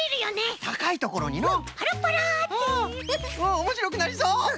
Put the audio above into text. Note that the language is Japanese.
おもしろくなりそう！